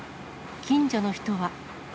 近所の人は。